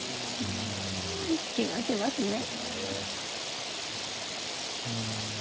気がしますね。